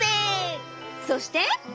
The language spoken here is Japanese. そして。